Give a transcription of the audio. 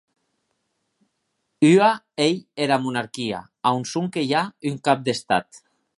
Ua ei era monarquia, a on sonque i a un cap d'Estat.